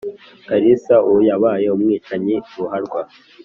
Kalisa uwo yabaye umwicanyi ruharwa